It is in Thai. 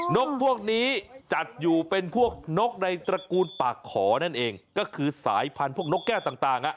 นกพวกนี้จัดอยู่เป็นพวกนกในตระกูลปากขอนั่นเองก็คือสายพันธุ์พวกนกแก้วต่างอ่ะ